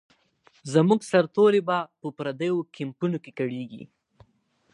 زموږ سرتوري به په پردیو کمپونو کې کړیږي.